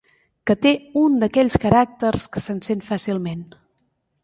Que té un d'aquells caràcters que s'encén fàcilment.